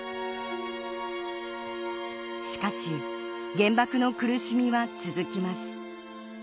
しかし原爆の苦しみは続きます